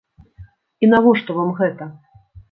І навошта вам гэта?!